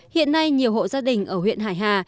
hiện nay nhiều hộ gia đình ở huyện hải hà